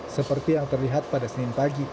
seperti yang terlihat pada senin pagi